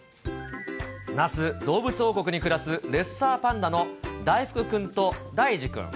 那須どうぶつ王国に暮らすレッサーパンダの大福くんと大事くん。